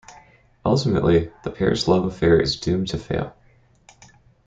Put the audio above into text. Ultimately, the pair's love affair is doomed to fail.